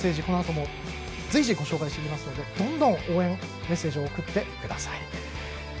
このあとも随時、ご紹介していきますのでどんどん応援メッセージを送ってください。